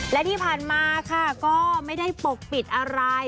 และที่ผ่านมาค่ะก็ไม่ได้ปกปิดอะไร